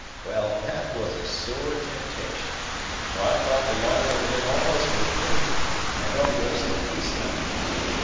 Well, that was a sore temptation; for I thought the law would have been almost with me, although it was in peace times.